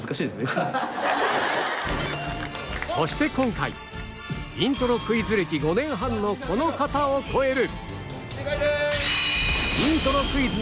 そして今回イントロクイズ歴５年半のこの方を超える